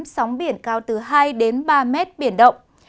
sóng biển cao từ hai đến ba mét biển động